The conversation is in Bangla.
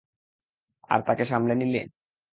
আর তাকে সামলে নিলে?